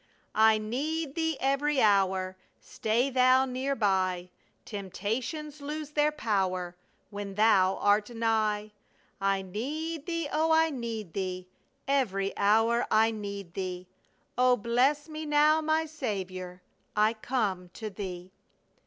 "I need Thee every hour. Stay Thou near by; Temptations lose their power When Thou art nigh. I need Thee, oh I, need Thee, Every hour I need Thee; O bless me now, my Saviour, I come to Thee!"